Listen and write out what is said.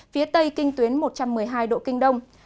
phía tây kinh tuyến một trăm một mươi hai độ kinh đông